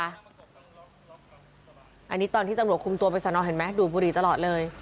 อันนี้ตอนที่ตำรวจคุมตัวไปสอนอดิเห็นมั้ยดูบุรีตลอดเลย